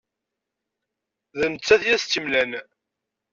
D nettat i as-tt-imlan.